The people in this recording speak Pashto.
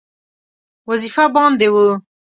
وظیفه باندې وو.